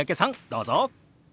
どうぞ！